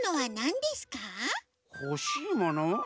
ほしいもの？